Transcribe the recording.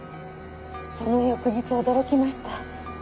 その翌日驚きました。